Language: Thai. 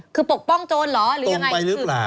คือปกป้องโจรหรือยังไงตรงไปหรือเปล่า